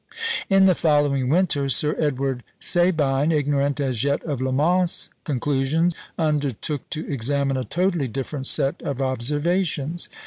In the following winter, Sir Edward Sabine, ignorant as yet of Lamont's conclusion, undertook to examine a totally different set of observations.